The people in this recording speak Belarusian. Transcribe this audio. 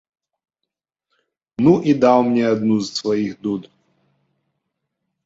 Ну, і даў мне адну з сваіх дуд.